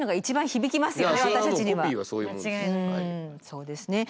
そうですね。